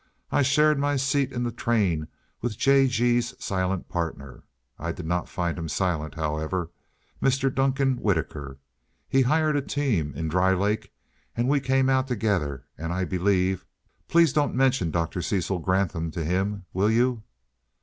"I shared my seat in the train with J. G.'s silent partner (I did not find him silent, however), Mr. Duncan Whitaker. He hired a team in Dry Lake and we came out together, and I believe please don't mention Dr. Cecil Granthum to him, will you?"